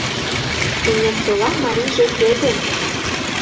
— Эҥерсола марийже кӧ гын?